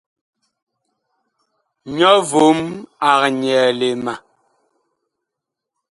Nyɔ vom ag nyɛɛle ma.